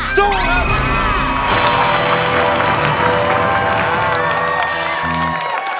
สู้ค่ะ